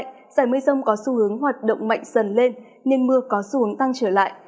giải mây rông có xu hướng hoạt động mạnh dần lên nên mưa có xu hướng tăng trở lại